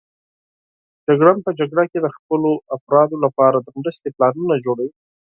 جګړن په جګړه کې د خپلو افرادو لپاره د مرستې پلانونه جوړوي.